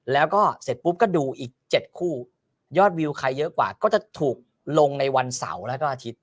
แล้วก็เสร็จปุ๊บก็ดูอีก๗คู่ยอดวิวใครเยอะกว่าก็จะถูกลงในวันเสาร์แล้วก็อาทิตย